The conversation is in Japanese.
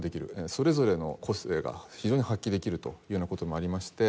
それぞれの個性が非常に発揮できるというような事もありまして